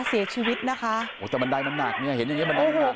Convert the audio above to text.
เสียชีวิตนะคะโอ้แต่บันไดมันหนักเนี่ยเห็นอย่างเงี้มันได้หนัก